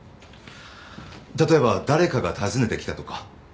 例えば誰かが訪ねてきたとか。